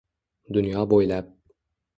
Dunyo bo’ylab